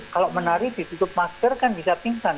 kalau menari ditutup masker kan bisa pingsan